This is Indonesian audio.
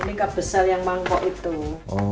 ini kebesar yang mangkok itu